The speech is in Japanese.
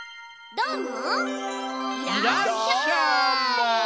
どーも！